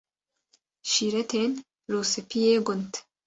Şîretên Rûspiyê Gund